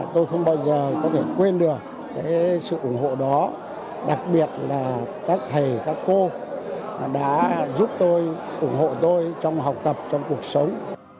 tôi không bao giờ có thể quên được sự ủng hộ đó đặc biệt là các thầy các cô đã giúp tôi ủng hộ tôi trong học tập trong cuộc sống